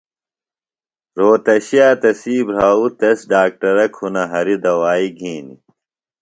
رھوتشیہ تسی بھراؤ تس ڈاکٹرہ کُھنہ ہریۡ دوائی گِھینیۡ۔